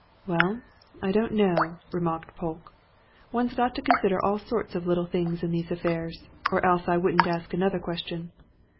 "Well, I don't know," remarked Polke. "One's got to consider all sorts of little things in these affairs, or else I wouldn't ask another question.